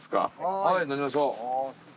はい乗りましょう。